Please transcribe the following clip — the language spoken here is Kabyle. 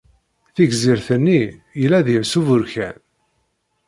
Tigzirt-nni yella deg-s uburkan.